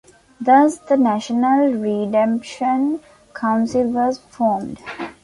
Thus the National Redemption Council was formed.